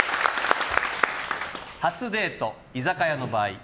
初デート、居酒屋の場合。